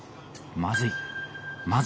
まずい。